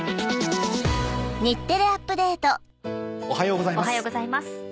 おはようございます。